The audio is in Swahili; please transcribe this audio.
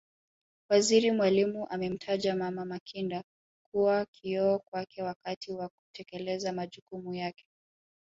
Waziri Mwalimu amemtaja Mama Makinda kuwa kioo kwake wakati wa kutekeleza majukumu yake